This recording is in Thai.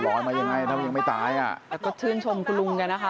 มายังไงถ้ามันยังไม่ตายอ่ะแต่ก็ชื่นชมคุณลุงกันนะคะ